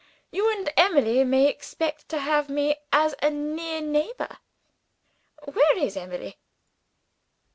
You and Emily may expect to have me as a near neighbor. Where is Emily?"